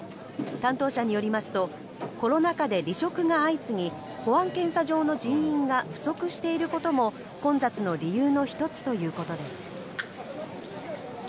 担当者によりますとコロナ禍で離職が相次ぎ保安検査場の人員が不足していることも混雑の理由の１つということです。